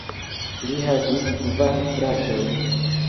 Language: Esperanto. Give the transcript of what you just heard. Li havis kvar fratojn.